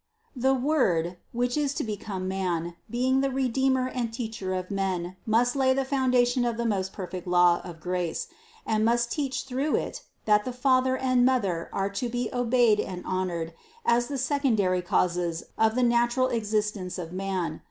The Word, which is to become man, being the Redeemer and Teacher of men, must lay the foun dation of the most perfect law of grace, and must teach through it, that the father and mother are to be obeyed and honored as the secondary causes of the natural ex istence of man.